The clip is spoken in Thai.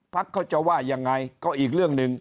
เขาจะว่ายังไงก็อีกเรื่องหนึ่ง